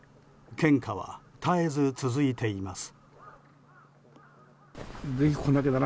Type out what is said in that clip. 献花は絶えず続いています。